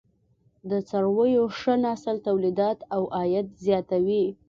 د څارويو ښه نسل تولیدات او عاید زیاتوي.